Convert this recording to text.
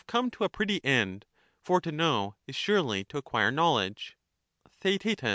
and come to a pretty end, for to know is surely to acquire knowledge knowledge.